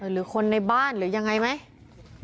หรือคนในบ้านหรือยังไงไหม